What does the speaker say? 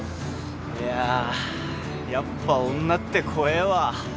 いやぁやっぱ女って怖えわ。